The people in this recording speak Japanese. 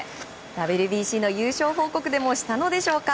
ＷＢＣの優勝報告でもしたのでしょうか？